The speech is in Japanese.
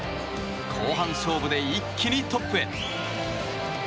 後半勝負で一気にトップへ。